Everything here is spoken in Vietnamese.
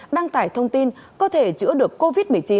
đăng tải thông tin có thể chữa được covid một mươi chín